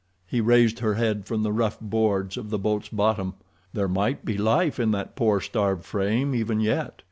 He raised her head from the rough boards of the boat's bottom. There might be life in that poor, starved frame even yet.